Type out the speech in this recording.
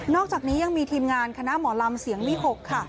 อกจากนี้ยังมีทีมงานคณะหมอลำเสียงวิหกค่ะ